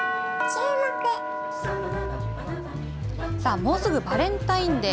もうすぐバレンタインデー。